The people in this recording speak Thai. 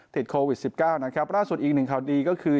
ติดโควิด๑๙นะครับล่าสุดอีกหนึ่งข่าวดีก็คือ